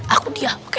aku dia oke